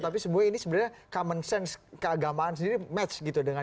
tapi sebenarnya ini sebenarnya common sense keagamaan sendiri match gitu dengan